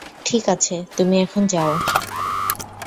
ঠিক আছে, তুমি এখন যাও।